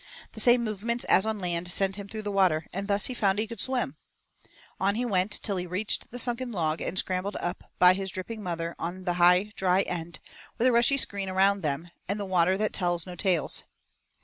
The same movements as on land sent him through the water, and thus he found he could swim, On he went till he reached the sunken log and scrambled up by his dripping mother on the high dry end, with a rushy screen around them and the Water that tells no tales.